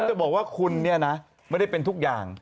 จะบอกว่าคุณเนี่ยนะไม่ได้เป็นทุกอย่าง